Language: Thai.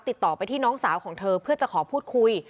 ติดต่อไปที่น้องสาวของเธอเพื่อจะขอพูดคุย